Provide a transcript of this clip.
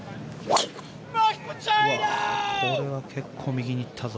これは結構、右に行ったぞ。